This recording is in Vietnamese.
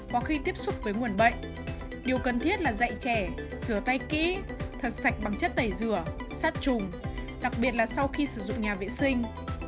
có khi tiếp xúc với nguồn bệnh điều cần thiết là dạy trẻ rửa tay kỹ thật sạch bằng chất tẩy rửa sát trùng đặc biệt là sau khi sử dụng nhà vệ sinh